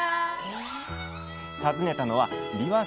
訪ねたのはびわ生産者